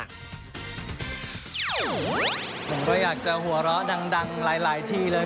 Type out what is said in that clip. ผมก็อยากจะหัวเราะดังหลายทีเลย